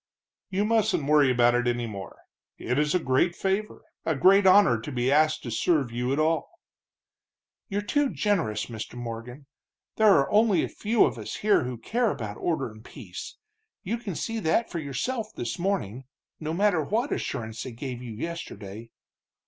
"You mustn't worry about it any more. It is a great favor, a great honor, to be asked to serve you at all." "You're too generous, Mr. Morgan. There are only a few of us here who care about order and peace you can see that for yourself this morning no matter what assurance they gave you yesterday.